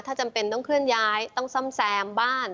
ถ้าจำเป็นต้องเคลื่อนย้ายต้องซ่อมแซมบ้าน